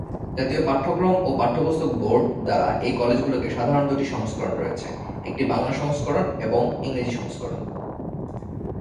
জাতীয় পাঠক্রম ও পাঠ্যপুস্তক বোর্ড দারা এই কলেজ গুলোকে সাধারণ দুটি সংস্করণ রয়েছে, একটি বাংলা সংস্করণ এবং ইংরেজি সংস্করণ।